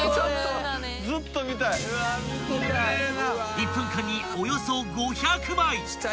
［１分間におよそ５００枚］